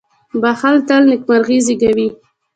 • بښل تل نېکمرغي زېږوي.